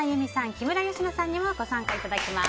木村佳乃さんにもご参加いただきます。